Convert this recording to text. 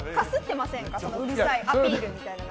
うるさいアピールみたいなの。